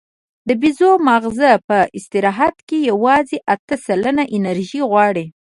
د بیزو ماغزه په استراحت کې یواځې اته سلنه انرژي غواړي.